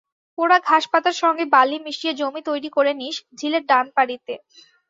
পোড়া ঘাসপাতার সঙ্গে বালি মিশিয়ে জমি তৈরি করে নিস ঝিলের ডান পাড়িতে।